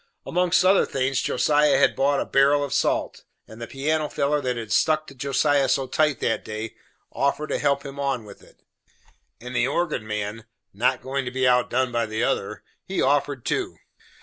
Amongst other things, Josiah had bought a barrel of salt, and the piano feller that had stuck to Josiah so tight that day, offered to help him on with it. And the organ man not goin' to be outdone by the other he offered too.